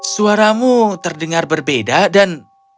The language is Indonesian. suaramu terdengar berbeda dan